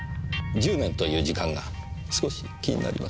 １０年という時間が少し気になります。